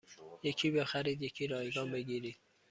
یکی بخرید یکی رایگان بگیرید